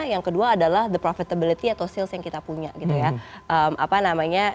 yang kedua adalah the profitability atau sales yang kita punya gitu ya